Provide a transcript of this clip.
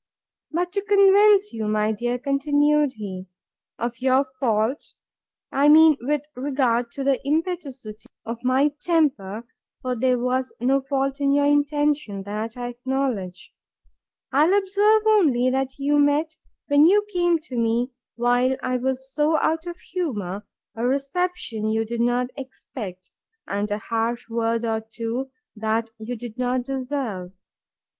But to convince you, my dear, continued he, of your fault, (I mean, with regard to the impetuosity of my temper; for there was no fault in your intention, that I acknowledge,) I'll observe only, that you met, when you came to me, while I was so out of humour, a reception you did not expect, and a harsh word or two that you did not deserve.